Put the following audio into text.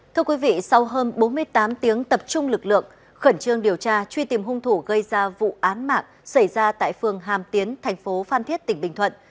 thưa quý vị sau hơn bốn mươi tám tiếng tập trung lực lượng khẩn trương điều tra truy tìm hung thủ gây ra vụ án mạng xảy ra tại phường hàm tiến thành phố phan thiết tỉnh bình thuận